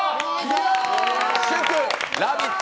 祝、「ラヴィット！」